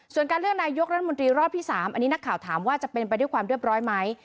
ส่วนการเลือกนายกรัฐมนตรีรอบที่๓อันนี้นักข่าวถามว่าจะเป็นไปด้วยความเรียบร้อยไหม